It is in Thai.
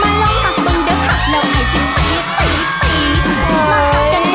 มาร้องบับบรึงเดอะคะราวไหวสิตี